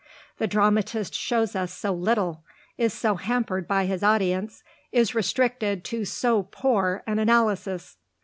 The dramatist shows us so little, is so hampered by his audience, is restricted to so poor an analysis."